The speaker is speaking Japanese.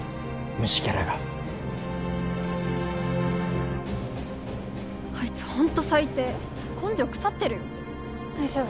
虫けらがあいつホント最低根性腐ってるよ大丈夫？